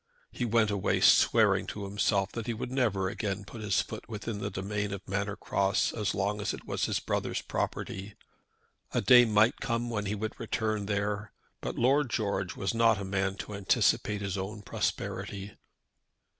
He went away swearing to himself that he would never again put his foot within the domain of Manor Cross as long as it was his brother's property. A day might come when he would return there; but Lord George was not a man to anticipate his own prosperity.